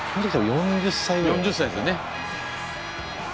４０歳ですよね。